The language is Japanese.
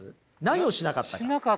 何をしなかったか。